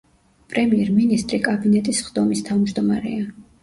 პრემიერ-მინისტრი კაბინეტის სხდომის თავმჯდომარეა.